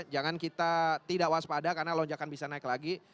jangan kita tidak waspada karena lonjakan bisa naik lagi